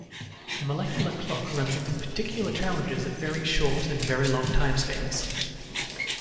The molecular clock runs into particular challenges at very short and very long timescales.